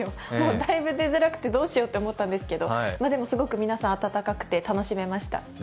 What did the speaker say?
だいぶ出づらくてどうしようと思ったんですけど、でも、すごく皆さん温かくて楽しめました。